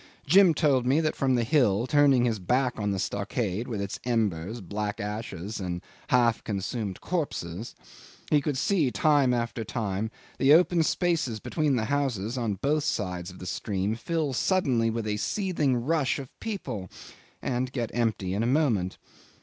Jim told me that from the hill, turning his back on the stockade with its embers, black ashes, and half consumed corpses, he could see time after time the open spaces between the houses on both sides of the stream fill suddenly with a seething rush of people and get empty in a moment.